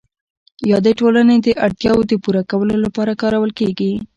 یا د ټولنې د اړتیاوو د پوره کولو لپاره کارول کیږي؟